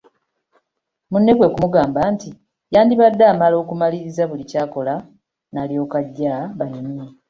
Munne kwe kumugamba nti yandibadde amala kumaliriza buli ky’akola n’alyoka ajja banyumye.